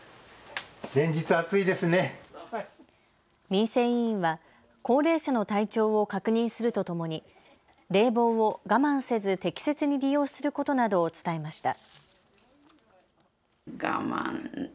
民生委員は高齢者の体調を確認するとともに冷房を我慢せず適切に利用することなどを伝えました。